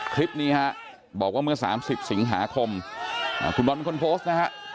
คลิปนี้ฮะบอกว่าเมื่อ๓๐สิงหาคมคุณบอลเป็นคนโพสต์นะฮะ